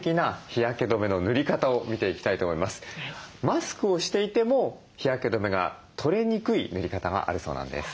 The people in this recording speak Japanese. マスクをしていても日焼け止めが取れにくい塗り方があるそうなんです。